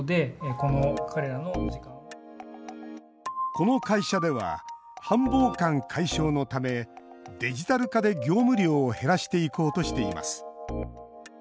この会社では繁忙感解消のためデジタル化で、業務量を減らしていこうとしています。